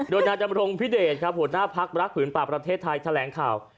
โดยนาดำรงพิเดชครับหัวหน้าพักรักผืนป่าประเทศไทยแถลงข่าว